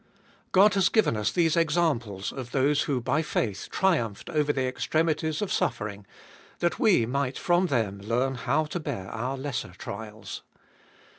God has given us these examples of those who by faith triumphed over the extremities of suffering, that we might from them learn how to bear our lesser trials.